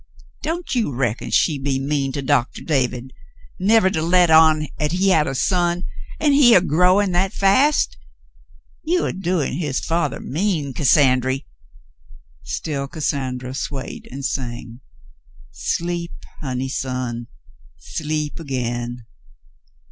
"Don't you reckon she be mean to Doctah David, nevah to let on 'at he have a son, and he a growin' that fast ? You a doin' his fathah mean, Cassandry." Still Cassandra swayed and sang. "Sleep, honey son, sleep again."